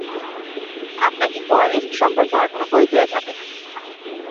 আপনাকে কোয়ালিস্ট সম্পর্কে আর কোনো বই দেয়া যাবে না।